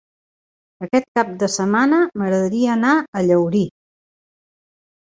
Aquest cap de setmana m'agradaria anar a Llaurí.